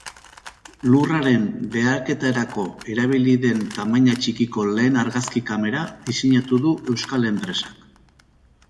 Lurraren behaketarako erabiliko den tamaina txikiko lehen argazki-kamera diseinatu du euskal enpresak.